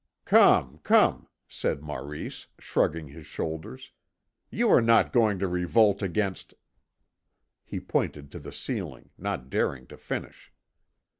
"Come, come," said Maurice, shrugging his shoulders. "You are not going to revolt against " He pointed to the ceiling not daring to finish.